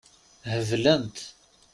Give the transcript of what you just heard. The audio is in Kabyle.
Heblent.